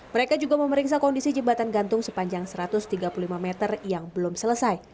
mereka juga memeriksa kondisi jembatan gantung sepanjang satu ratus tiga puluh lima meter yang belum selesai